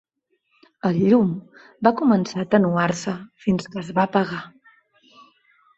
El llum va començar a atenuar-se fins que es va apagar.